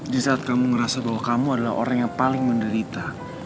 di saat kamu ngerasa bahwa kamu adalah orang yang paling menderita